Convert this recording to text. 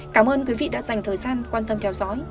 cảm ơn quý vị đã dành thời gian quan tâm theo dõi